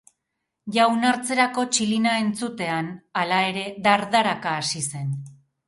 Jaunartzerako txilina entzutean, hala ere, dardaraka hasi zen.